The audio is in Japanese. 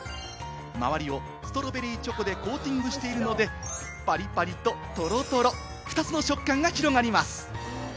周りをストロベリーチョコでコーティングしているので、パリパリとトロトロ、２つの食感が広がります。